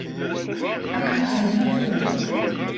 Aql-i thennaɣ tura.